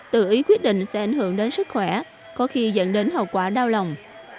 tự ý quyết định sẽ ảnh hưởng đến sức khỏe có khi dẫn đến hậu quả đau lòng